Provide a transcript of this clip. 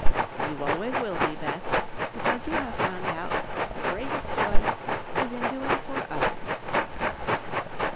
"You always will be, Beth, because you have found out that the greatest joy is in doing for others."